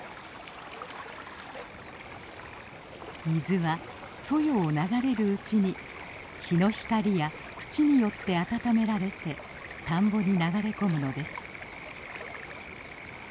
水はそよを流れるうちに日の光や土によってあたためられて田んぼに流れ込むのです。